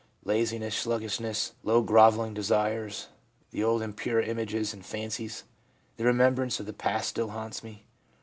Laziness, sluggishness, low grovelling desires, the old impure images and fancies, the remembrance of the past still haunts me.